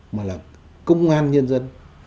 mà là công an nhân dân